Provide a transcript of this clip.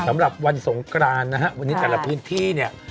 สำหรับวันสงกรานนะฮะวันนี้แต่ละพื้นที่เนี่ย